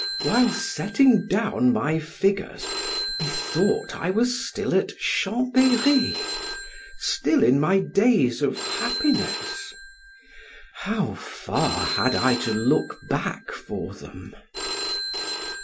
While setting down my figures, methought I was still at Chambery, still in my days of happiness how far had I to look back for them!